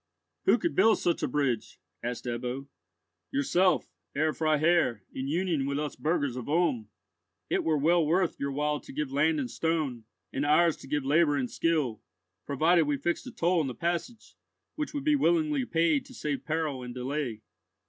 "Who could build such a bridge?" asked Ebbo. "Yourself, Herr Freiherr, in union with us burghers of Ulm. It were well worth your while to give land and stone, and ours to give labour and skill, provided we fixed a toll on the passage, which would be willingly paid to save peril and delay."